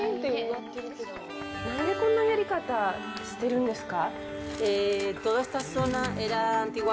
なんでこんなやり方してるんですか？